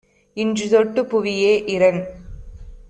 இன்றுதொட் டுப்புவியே - இரண்